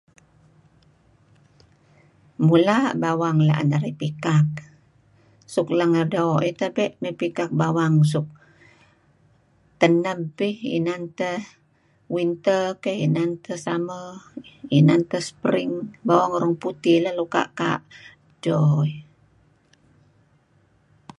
Mula' bawang la' en narih pikak. Suk lang doo' eh tebe' mey pikak bawang suk teneb eh inan teh winter keh, inan teh summer, inan teh spring mo ngi bawang urang putih nuk kaa' kaa' dto eh.